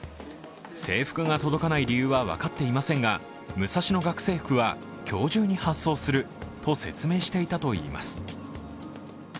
制服が届かない理由は分かっていませんが、ムサシノ学生服は今日中に発送すると説明していたといいます。